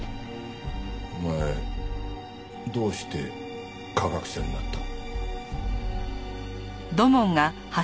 お前どうして科学者になった？